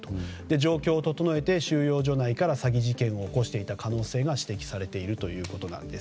状況を整えて収容所内から詐欺事件を起こしていた可能性が指摘されているということです。